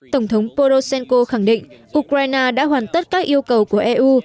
tổng thống poroshenko khẳng định ukraine đã hoàn tất các yêu cầu của eu